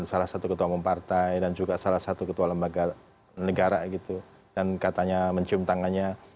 salah satu ketua umum partai dan juga salah satu ketua lembaga negara gitu dan katanya mencium tangannya